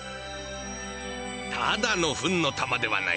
ただのフンの玉ではない。